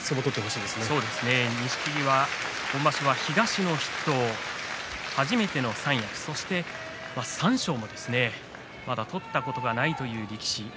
さあ錦木は今場所は東の筆頭、初めての三役そして三賞もまだ取ったことがないという力士。